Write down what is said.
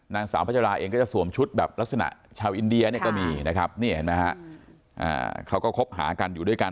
นางสาวพัชราเองก็จะสวมชุดแบบลักษณะชาวอินเดียก็มีเขาก็คบหากันอยู่ด้วยกัน